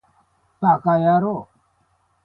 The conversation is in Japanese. ヴぁかやろう